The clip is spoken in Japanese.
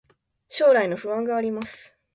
将来の不安があります